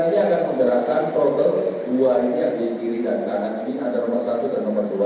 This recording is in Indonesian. ini ada nomor satu dan nomor dua